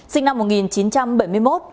sinh năm một nghìn chín trăm bảy mươi một